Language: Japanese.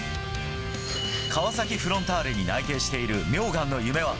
川崎フロンターレに内定している名願の夢は。